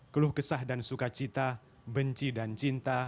keluh kesah dan suka cita benci dan cinta